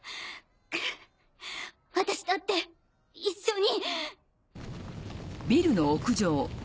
くっ私だって一緒に。